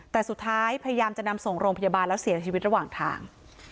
แต่สุดท้ายพยายามจะนำส่งโรงพยาบาลแล้วเสียชีวิตระหว่างทาง